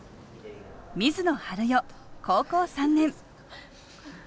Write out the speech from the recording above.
水野春予高校３年。